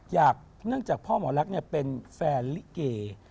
อยากเนื่องจากพ่อหมอรักเป็นแฟนลิเก